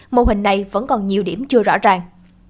mô hình này vẫn còn nhiều điểm chưa rõ ràng